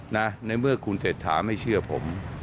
ในเมื่อคุณเศรษฐาไม่เชื่อผม